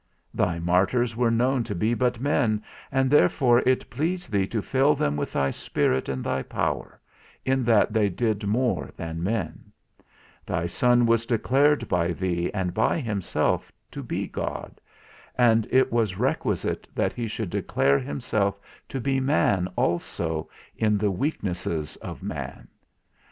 Thy martyrs were known to be but men, and therefore it pleased thee to fill them with thy Spirit and thy power, in that they did more than men; thy Son was declared by thee, and by himself, to be God; and it was requisite that he should declare himself to be man also, in the weaknesses of man.